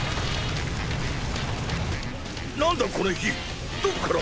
なんだこの火どっから。